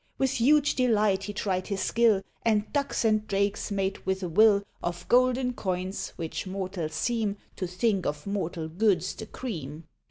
With huge delight he tried his skill, And ducks and drakes made with a will, Of golden coins which mortals seem To think of mortal goods the cream.